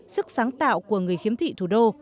sức sáng tạo của người khiếm thị thủ đô